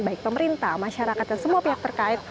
baik pemerintah masyarakat dan semua pihak terkait